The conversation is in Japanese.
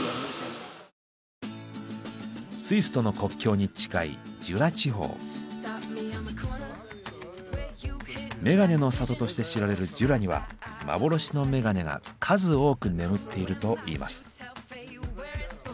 スイスとの国境に近いメガネの里として知られるジュラには幻のメガネが数多く眠っているといいます。